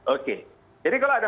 oke jadi kalau ada